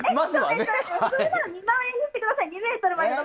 それなら２万円にしてください